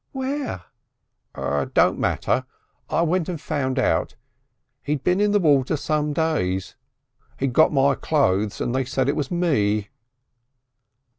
"Where?" "Don't matter. I went and found out. He'd been in the water some days. He'd got my clothes and they'd said it was me."